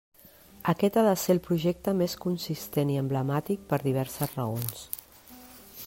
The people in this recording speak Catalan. Aquest ha de ser el projecte més consistent i emblemàtic per diverses raons.